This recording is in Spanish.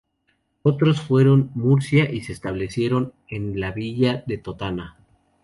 Otros fueron a Murcia y se establecieron en la villa de Totana.